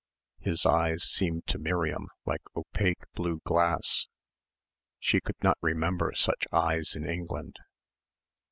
His eyes seemed to Miriam like opaque blue glass. She could not remember such eyes in England.